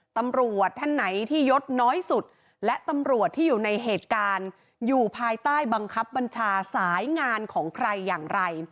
ตำรวจท่านไหนที่ยดน้อยสุดและตำรวจที่อยู่ในเหตุการณ์อยู่ภายใต้บังคับบัญชาสายงานของใครอย่างไร